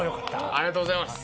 ありがとうございます。